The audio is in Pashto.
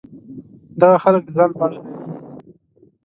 دغه خلک د ځان په اړه لري.